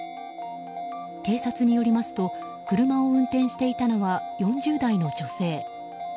警察によりますと車を運転していたのは４０代の女性。